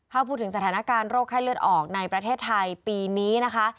ถ้าพูดถึงสถานการณ์โรคไข้เลือดออกในประเทศไทยปีนี้นะคะ